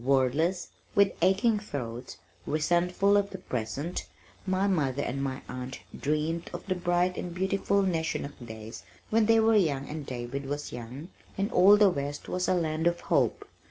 Wordless, with aching throats, resentful of the present, my mother and my aunt dreamed of the bright and beautiful Neshonoc days when they were young and David was young and all the west was a land of hope.